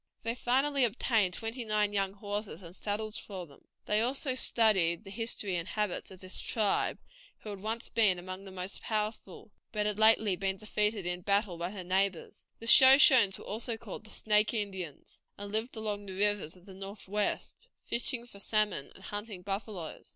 They finally obtained twenty nine young horses and saddles for them. They also studied the history and habits of this tribe, who had once been among the most powerful, but had been lately defeated in battle by their neighbors. The Shoshones were also called the Snake Indians, and lived along the rivers of the northwest, fishing for salmon and hunting buffaloes.